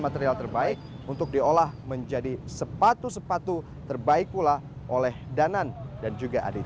material terbaik untuk diolah menjadi sepatu sepatu terbaik pula oleh danan dan juga adit